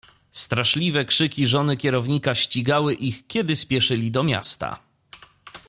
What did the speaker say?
"Straszliwe krzyki żony kierownika ścigały ich, kiedy spieszyli do miasta."